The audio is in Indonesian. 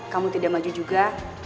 kamu tidak maju juga